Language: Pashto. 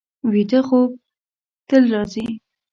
ویده خوب تل راځي